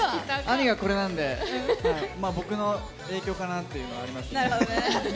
兄がこれなんで僕の影響かなっていうのがあります。